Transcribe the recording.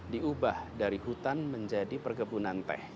diubah dari hutan menjadi perkebunan teh